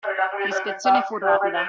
L'ispezione fu rapida.